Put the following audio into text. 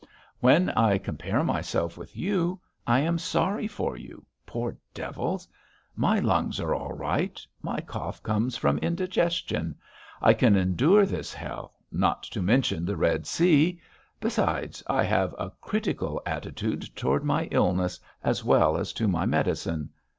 "When I compare myself with you, I am sorry for you ... poor devils. My lungs are all right; my cough comes from indigestion ... I can endure this hell, not to mention the Red Sea! Besides, I have a critical attitude toward my illness, as well as to my medicine.